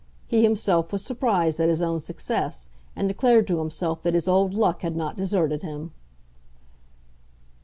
He himself was surprised at his own success, and declared to himself that his old luck had not deserted him.